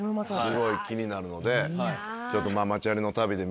すごい気になるので。